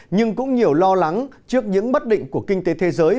nhưng cũng nhiều lo lắng trước những bất định của kinh tế thế giới